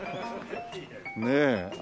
ねえ。